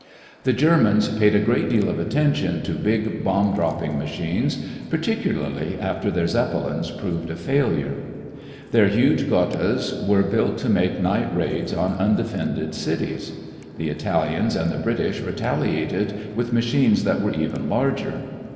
The Germans paid a great deal of attention to big bomb dropping machines, particularly after their Zeppelins proved a failure. Their huge Gothas were built to make night raids on undefended cities. The Italians and the British retaliated with machines that were even larger.